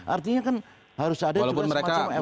artinya kan harus ada juga semacam evaluasi